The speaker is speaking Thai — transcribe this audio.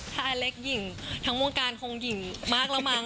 ถ้าอเล็กหญิงทั้งวงการคงหญิงมากแล้วมั้ง